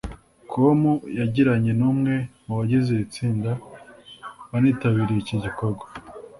com yagiranyen’umwe mu bagize iri tsinda wanitabiriye iki gikorwa